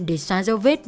để xóa dấu vết